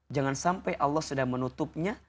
jangan sampai allah sedang menutupnya